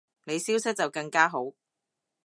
你消失就更加好